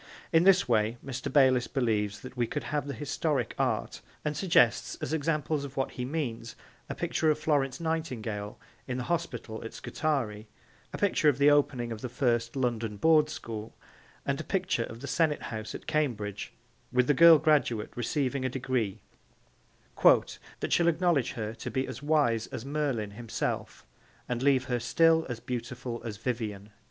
In this way Mr. Bayliss believes that we could have the historic art, and suggests as examples of what he means a picture of Florence Nightingale in the hospital at Scutari, a picture of the opening of the first London Board school, and a picture of the Senate House at Cambridge with the girl graduate receiving a degree 'that shall acknowledge her to be as wise as Merlin himself and leave her still as beautiful as Vivien.'